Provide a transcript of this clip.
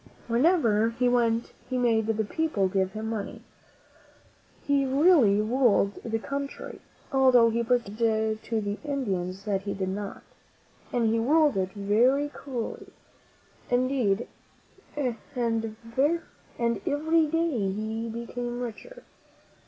Wherever he went he made the people give him money. He really ruled the country, although he pretended to the In dians that he did not, and he ruled it very cruelly indeed, and every day he became richer.